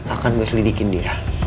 akan gue selidikin dia